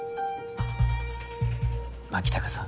牧高さん